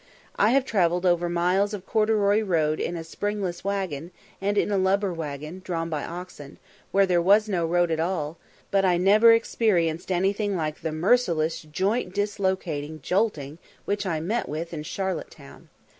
I have travelled over miles of corduroy road in a springless waggon, and in a lumber waggon, drawn by oxen, where there was no road at all, but I never experienced anything like the merciless joint dislocating jolting which I met with in Charlotte Town.